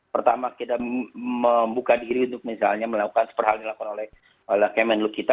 pertama kita membuka diri untuk misalnya melakukan seperhal yang dilakukan oleh kmnlu kita